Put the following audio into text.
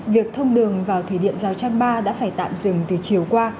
việc thông đường vào thủy điện giao trang ba đã phải tạm dừng từ chiều qua